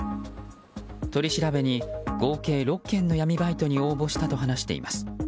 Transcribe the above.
取り調べに合計６件の闇バイトに応募したと話しています。